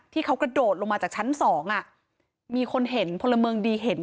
ที่เขากระโดดลงมาจากชั้นสองอ่ะมีคนเห็นพลเมืองดีเห็น